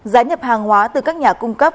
giá nhập hàng hóa từ các nhà cung cấp